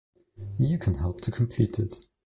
You can help to complete it.